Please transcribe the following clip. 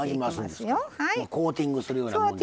コーティングするようなもんですか。